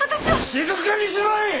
静かにしろい！